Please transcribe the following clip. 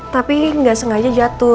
tapi gak sengaja jatuh